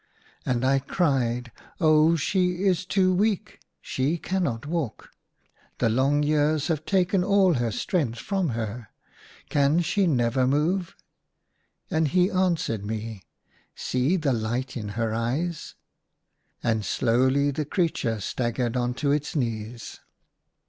And I cried, " Oh, she is too weak ! she cannot walk ! The long years have taken all her strength from her. Can she never move ?" And he answered me, " See the light in her eyes !" THREE DREAMS IN A DESERT. 75 And slowly the creature staggered on to its knees.